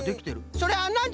それはなんじゃ？